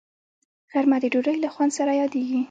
غرمه د ډوډۍ له خوند سره یادیږي